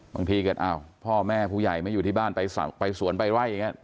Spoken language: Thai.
บางทีเกิดอ้าวพ่อแม่ผู้ใหญ่ไม่อยู่ที่บ้านไปสวนไปไล่อย่างนี้